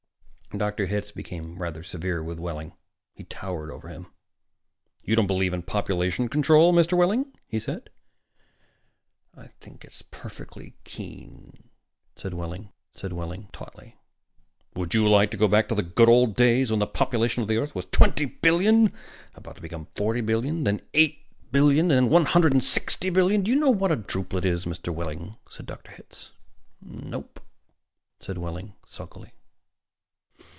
Dr. Hitz became rather severe with Wehling, towered over him. "You don't believe in population control, Mr. Wehling?" he said. "I think it's perfectly keen," said Wehling tautly. "Would you like to go back to the good old days, when the population of the Earth was twenty billion about to become forty billion, then eighty billion, then one hundred and sixty billion? Do you know what a drupelet is, Mr. Wehling?" said Hitz. "Nope," said Wehling sulkily.